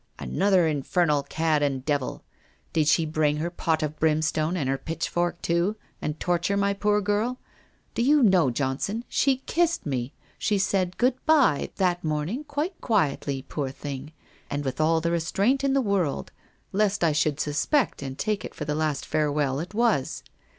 '' Another infernal cad and devil! Did she bring her pot of brimstone and her pitchfork, too, and torture my poor girl? Do you know, Johnson, she kissed me? She said " Good bye " that morning quite quietly, poor thing, with all the restraint in the world, lest I should suspect and take it for the last farewell that it was.